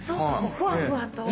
ふわふわと。